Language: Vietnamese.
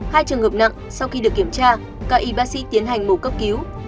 hai trường hợp nặng sau khi được kiểm tra các y bác sĩ tiến hành mổ cấp cứu